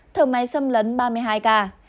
thở máy xâm lấn ba mươi hai ca